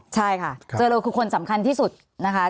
ใช่ค่ะเจอโลคือคนสำคัญที่สุดนะคะ